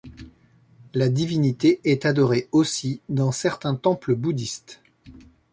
La divinité est adorée aussi dans certains temples bouddhistes.